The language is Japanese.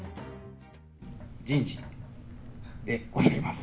人事でございます。